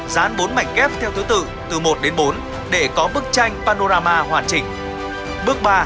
hai dán bốn mảnh ghép theo thứ tự từ một đến bốn để có bức tranh panorama hoàn chỉnh